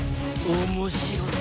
面白い。